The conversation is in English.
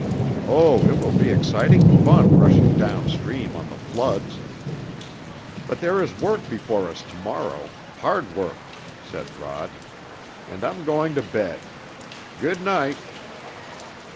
Oh, it will be exciting fun rushing down stream on the floods!" "But there is work before us to morrow hard work," said Rod. "And I'm going to bed. Good night!"